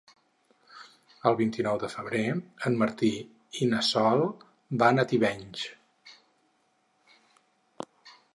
El vint-i-nou de febrer en Martí i na Sol van a Tivenys.